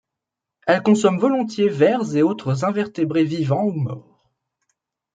Elle consomme volontiers vers et autres invertébrés vivants ou morts.